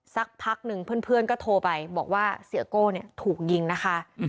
สักพักหนึ่งเพื่อนก็โทรไปบอกว่าเสียโก้เนี่ยถูกยิงนะคะ